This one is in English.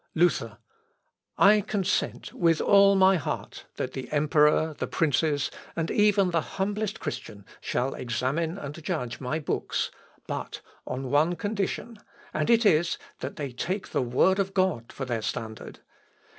Luther. "I consent, with all my heart, that the emperor, the princes, and even the humblest Christian, shall examine and judge my books; but on one condition, and it is, that they take the Word of God for their standard.